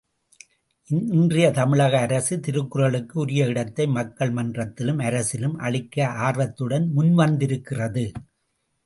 இன்றையத் தமிழக அரசு திருக்குறளுக்கு உரிய இடத்தை மக்கள் மன்றத்திலும், அரசிலும் அளிக்க ஆர்வத்துடன் முன்வந்திருக்கிறது.